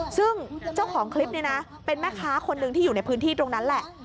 ซึ่งเจ้าของคลิปนี้นะเป็นแม่ค้าคนหนึ่งที่อยู่ในพื้นที่ตรงนั้นแหละ